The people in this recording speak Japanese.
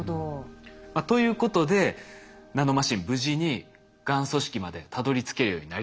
ということでナノマシン無事にがん組織までたどりつけるようになりました。